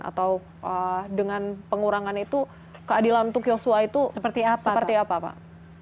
atau dengan pengurangan itu keadilan untuk yosua itu seperti apa pak